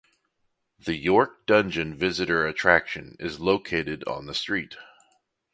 The York Dungeon visitor attraction is located on the street.